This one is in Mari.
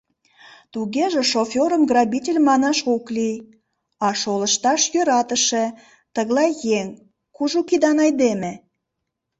Тугеже шофёрым грабитель манаш ок лий, а шолышташ йӧратыше тыглай еҥ, кужу кидан айдеме.